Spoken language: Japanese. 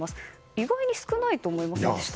意外に少ないと思いませんでした？